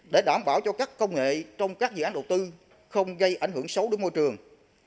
để đảm bảo cho các công nghệ trong các dự án đầu tư không gây ảnh hưởng xấu đến môi trường